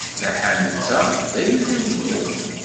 Taḥanut-a d ayla-inu.